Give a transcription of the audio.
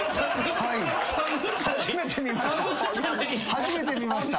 初めて見ました。